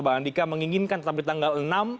pak andika menginginkan tetapi tanggal enam